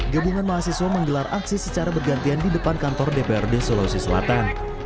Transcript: gabungan mahasiswa menggelar aksi secara bergantian di depan kantor dprd sulawesi selatan